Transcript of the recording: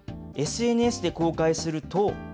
ＳＮＳで公開すると。